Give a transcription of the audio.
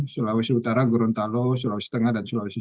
sulawesi utara gorontalo sulawesi tengah dan sulawesi